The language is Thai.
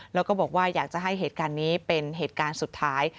แล้วก็บอกว่าอยากจะให้เหตุการณ์นี้เป็นเหตุการณ์สุดท้าย